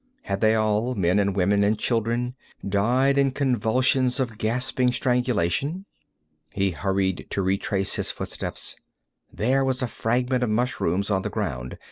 Had they all, men and women and children, died in convulsions of gasping strangulation? He hurried to retrace his footsteps. There was a fragment of mushrooms on the ground.